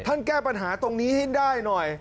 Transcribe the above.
แก้ปัญหาตรงนี้ให้ได้หน่อย